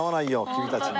君たちに。